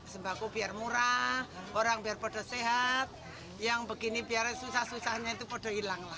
sembako biar murah orang biar podo sehat yang begini biar susah susahnya itu kode hilang lah